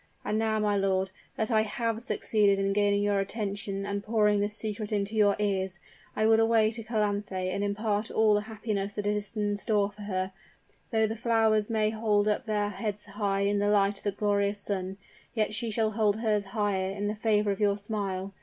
And now, my lord, that I have succeeded in gaining your attention and pouring this secret into your ears, I will away to Calanthe and impart all the happiness that is in store for her. Though the flowers may hold up their heads high in the light of the glorious sun, yet she shall hold hers higher in the favor of your smile.